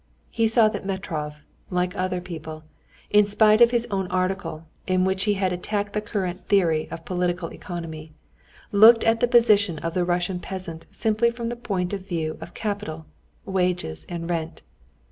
He saw that Metrov, like other people, in spite of his own article, in which he had attacked the current theory of political economy, looked at the position of the Russian peasant simply from the point of view of capital, wages, and rent.